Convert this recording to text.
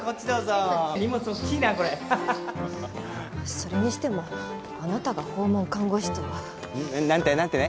それにしてもあなたが訪問看護師とは。なんて？なんて？